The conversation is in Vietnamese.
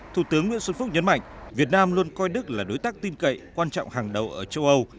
thủ tướng nguyễn xuân phúc nhấn mạnh việt nam luôn coi đức là đối tác tin cậy quan trọng hàng đầu ở châu âu